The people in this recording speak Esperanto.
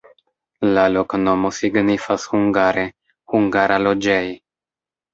La loknomo signifas hungare: hungara-loĝej'.